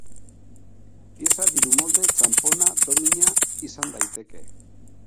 Pieza diru molde, txanpona, domina... izan daiteke.